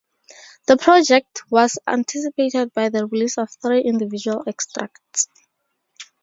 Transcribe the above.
The project was anticipated by the release of three individual extracts.